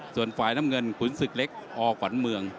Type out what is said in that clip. ส่วนฝ่ายน้ำเงินขุนศึกเล็กอขวัญเมือง